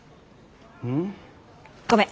うん？ごめん。